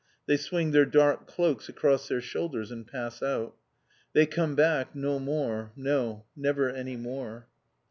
They swing their dark cloaks across their shoulders and pass out. They come back no more, no, never any more.